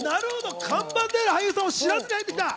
看板俳優さんを知らずに入ってきた。